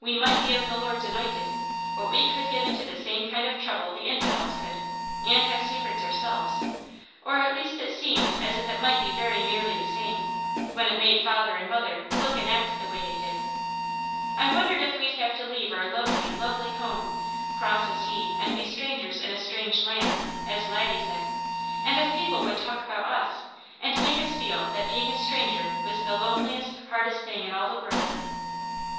We might be of the Lord's anointed, but we could get into the same kind of trouble the infidels could, and have secrets ourselves, or at least it seemed as if it might be very nearly the same, when it made father and mother look and act the way they did. I wondered if we'd have to leave our lovely, lovely home, cross a sea and be strangers in a strange land, as Laddie said; and if people would talk about us, and make us feel that being a stranger was the loneliest, hardest thing in all the world.